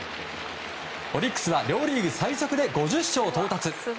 オリックスは両リーグ最速で５０勝を到達。